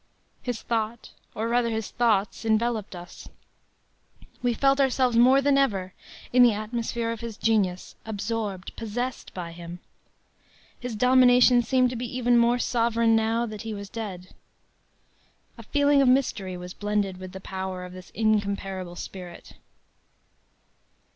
His thought, or rather his thoughts, enveloped us. We felt ourselves more than ever in the atmosphere of his genius, absorbed, possessed by him. His domination seemed to be even more sovereign now that he was dead. A feeling of mystery was blended with the power of this incomparable spirit.